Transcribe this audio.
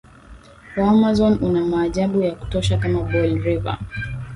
wa Amazon una maajabu ya kutosha kama Boil River